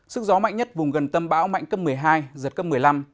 sức gió mạnh nhất vùng gần tâm bão mạnh cấp một mươi hai giật cấp một mươi năm